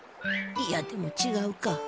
いやでもちがうか。